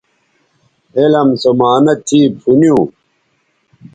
علم سو معانہ تھی پُھنیوں